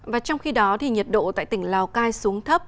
và trong khi đó nhiệt độ tại tỉnh lào cai xuống thấp